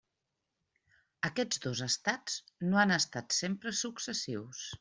Aquests dos estats no han estat sempre successius.